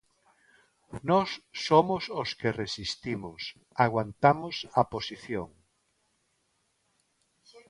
Nós somos os que resistimos, aguantamos a posición.